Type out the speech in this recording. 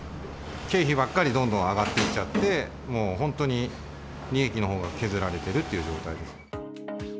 経費ばっかりどんどん上がっていっちゃって、もう本当に利益のほうが削られてるという状態です。